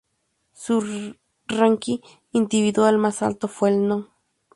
Su ranking individual más alto fue el No.